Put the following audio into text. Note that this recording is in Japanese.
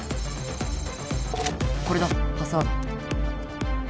これだパスワード